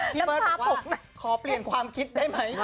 พี่เบิร์ตบอกว่าขอเปลี่ยนความคิดได้ไหม